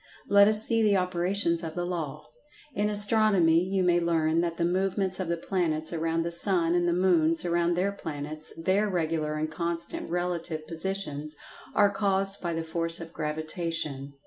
Let us see the operations of the Law. In Astronomy you may learn that the movements of the planets around the sun and the moons around their planets—their regular and constant relative positions—are caused by the force of Gravitation.